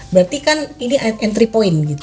berarti kan ini entry point gitu